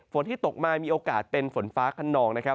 ที่ตกมามีโอกาสเป็นฝนฟ้าขนองนะครับ